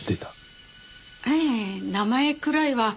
ええ名前くらいは。